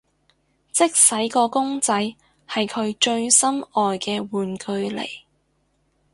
即使個公仔係佢最心愛嘅玩具嚟